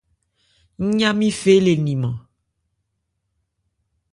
Ńyá-nmí fê le liman.